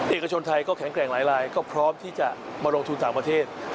เอกชนไทยก็แข็งแกร่งหลายก็พร้อมที่จะมาลงทุนต่างประเทศ